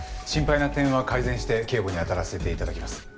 心配な点は改善して警護にあたらせて頂きます。